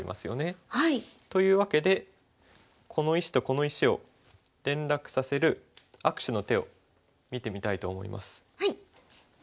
というわけでこの石とこの石を連絡させる握手の手を見てみたいと思います。